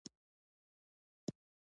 موټر که نه وي، خلک ډېر مزل کوي.